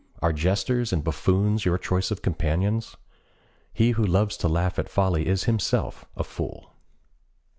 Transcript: Are jesters and buffoons your choice companions? He who loves to laugh at folly is himself a fool.